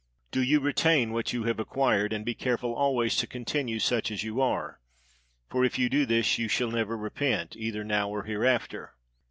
Do you retain what you have acquired, and be careful always to con tinue such as you are; for if you do this you shall never repent, either now or hereafter."